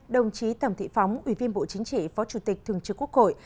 đồng chí tòng thị phóng ủy viên bộ chính trị phó chủ tịch thường trực quốc hội